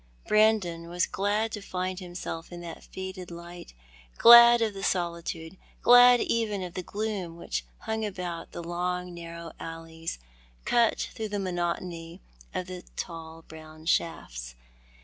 Brandon was glad to find himself in that faded light, glad of the solitude, glad even of the gloom which hung about the long narrow alleys, cut through the monotony of the tall brown shafts.